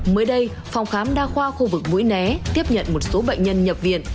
mới đây phòng khám đa khoa khu vực mũi né tiếp nhận một số bệnh nhân nhập viện